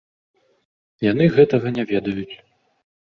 Яны гэтага не ведаюць.